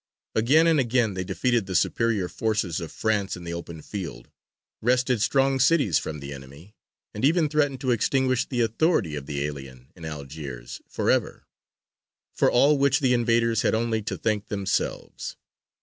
Again and again they defeated the superior forces of France in the open field, wrested strong cities from the enemy, and even threatened to extinguish the authority of the alien in Algiers for ever. For all which the invaders had only to thank themselves.